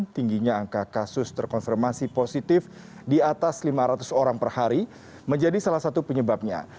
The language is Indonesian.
tingginya angka kasus terkonfirmasi positif di atas lima ratus orang per hari menjadi salah satu penyebabnya